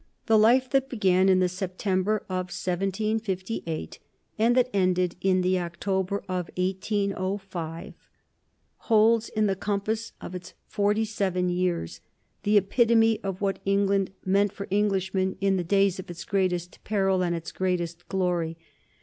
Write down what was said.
The life that began in the September of 1758 and that ended in the October of 1805 holds in the compass of its forty seven years the epitome of what England meant for Englishmen in the days of its greatest peril and its greatest glory.